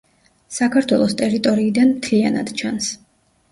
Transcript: საქართველოს ტერიტორიიდან მთლიანად ჩანს.